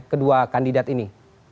kedua kandidat ini